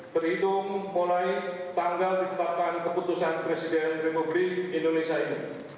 terhitung mulai tanggal ditetapkan keputusan presiden republik indonesia ini